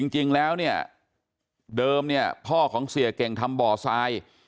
จริงแล้วเดิมพ่อของเสียเก่งทำบ่อทราย